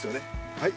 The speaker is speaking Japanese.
はい。